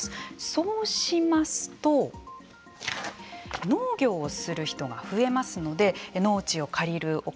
そうしますと農業をする人が増えますので農地を借りるお金